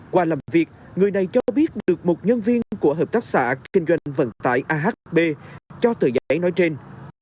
qua làm việc người này cho biết được một nhân viên của hợp tác xã kinh doanh vận tải ahb cho tờ giải nói trên